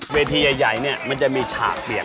เวทีใหญ่มันจะมีฉากเปียง